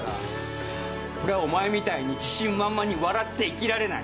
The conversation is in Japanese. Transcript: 俺はお前みたいに自信満々に笑って生きられない。